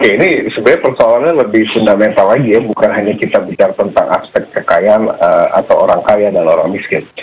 ini sebenarnya persoalannya lebih fundamental lagi ya bukan hanya kita bicara tentang aspek kekayaan atau orang kaya dan orang miskin